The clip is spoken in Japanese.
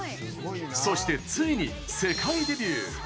そして、ついに世界デビュー。